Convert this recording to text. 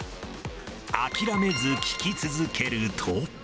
諦めず聞き続けると。